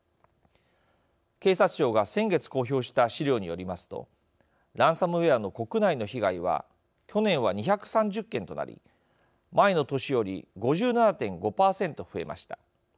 警察庁が先月公表した資料によりますとランサムウエアの国内の被害は去年は２３０件となり前の年より５７．５％増えました。